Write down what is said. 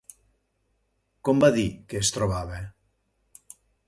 Com va dir que es trobava?